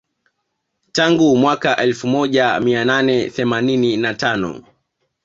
Tangu mwaka elfu moja mia nane themanini na tano